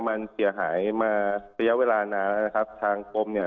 มันเสียหายมาระยะเวลานานแล้วนะครับทางกรมเนี่ย